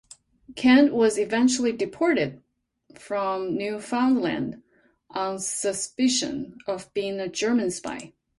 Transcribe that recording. Kent was eventually deported from Newfoundland on suspicion of being a German spy.